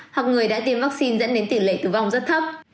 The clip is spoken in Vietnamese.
hoặc người đã tiêm vaccine dẫn đến tỷ lệ tử vong rất thấp